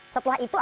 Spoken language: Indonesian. setelah itu akan